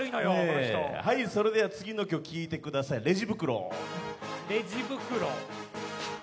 この人はいそれでは次の曲聴いてください「レジ袋」「レジ袋」